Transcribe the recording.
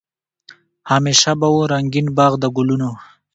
همېشه به وو رنګین باغ د ګلونو